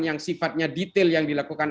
yang sifatnya detail yang dilakukan